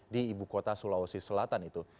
di ibu kota sulawesi selatan itu